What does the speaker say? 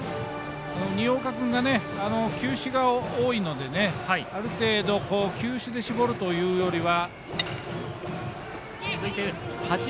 新岡君が球種が多いのである程度、球種で絞るというよりは。